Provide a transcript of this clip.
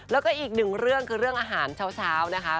แล้วก็อีกหนึ่งเรื่องคือเรื่องอาหารเช้านะคะ